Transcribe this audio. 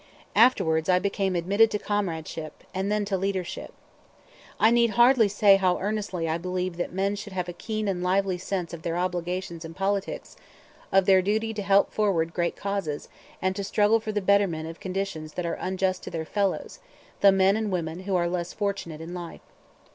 Afterwards I became admitted to comradeship, and then to leadership. I need hardly say how earnestly I believe that men should have a keen and lively sense of their obligations in politics, of their duty to help forward great causes, and to struggle for the betterment of conditions that are unjust to their fellows, the men and women who are less fortunate in life.